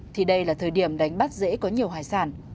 thì đây là thời điểm đánh bắt dễ có nhiều hải sản